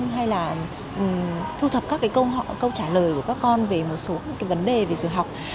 hay là thu thập các cái câu họ câu trả lời của các con về một số cái vấn đề về giờ học